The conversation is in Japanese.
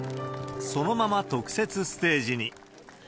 そのまま特設ステージに。